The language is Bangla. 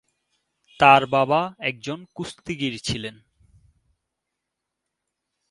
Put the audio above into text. তার বাবা একজন কুস্তিগীর ছিলেন।